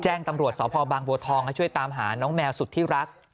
แจ้งตำรวจสพบางบัวทองให้ช่วยตามหาน้องแมวสุดที่รัก